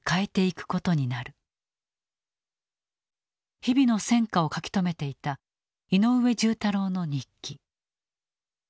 日々の戦果を書き留めていた井上重太郎の日記。